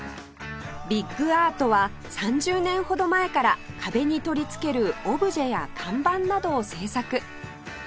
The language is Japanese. ビッグアートは３０年ほど前から壁に取り付けるオブジェや看板などを制作